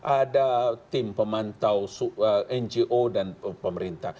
ada tim pemantau ngo dan pemerintah